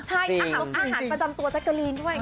ใช่อาหารประจำตัวแจ๊กกะลีนด้วย